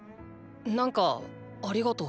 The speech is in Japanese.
なんかありがとう。